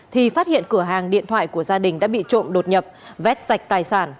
thì phát hiện cửa hàng điện thoại của gia đình đã bị trộm đột nhập vét sạch tài sản